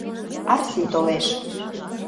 Арси толеш.